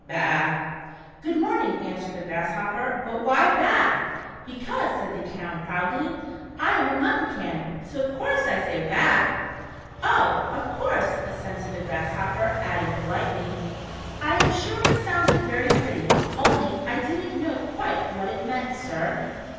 Baaaa." "Good morning," answered the Grasshopper, "but why 'baaaa '?" "Because," said the Can, proudly, " I am a Mutton can, so of course I say ' baaaa.' "" Oh, of course," assented the Grasshopper, adding politely, " I am sure it sounded very pretty, only I did n't know quite what it meant. Sir."